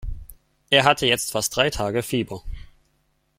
Er hatte jetzt fast drei Tage Fieber.